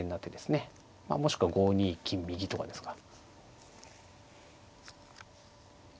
もしくは５二金右とかですか。